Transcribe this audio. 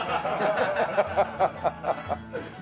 ハハハハハ。